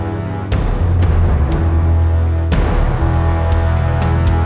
ada yang lain